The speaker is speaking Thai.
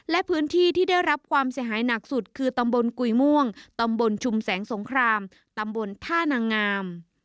และพื้นที่ที่ได้รับความเสียหายหนักสุดคือตำบลกุยม่วงตำบลชุมแสงสงครามตำบลท่านางาม